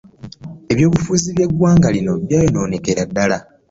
eby'obufuzi by'eggwanga lino byayonoonekera ddala.